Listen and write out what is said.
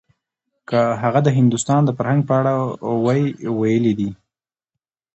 که هغه د هندوستان د فرهنګ په اړه وی ويلي دي.